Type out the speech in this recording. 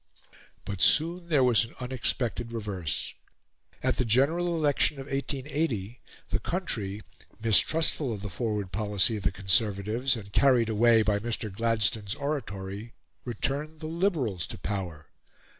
But soon there was an unexpected reverse. At the General Election of 1880 the country, mistrustful of the forward policy of the Conservatives, and carried away by Mr. Gladstone's oratory, returned the Liberals to power.